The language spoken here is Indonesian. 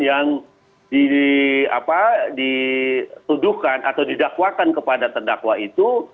yang dituduhkan atau didakwakan kepada terdakwa itu